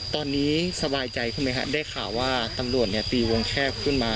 ตอนนี้สบายใจขึ้นไหมครับได้ข่าวว่าตำรวจตีวงแคบขึ้นมา